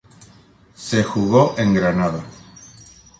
Se jugó en Granada.